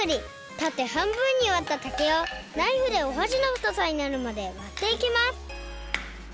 たて半分にわった竹をナイフでおはしのふとさになるまでわっていきます